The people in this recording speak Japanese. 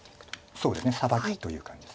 そうですねサバキという感じです。